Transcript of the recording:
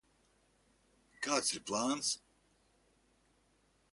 Kāds ir plāns?